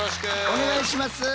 お願いします。